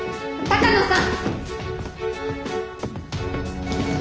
鷹野さん